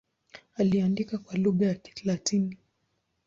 Aliandika kwa lugha ya Kilatini.